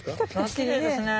あっきれいですね。